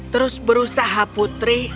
terus berusaha putri